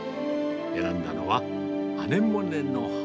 選んだのは、アネモネの花。